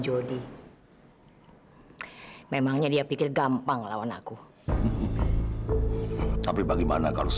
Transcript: jody selalu menurut sama aku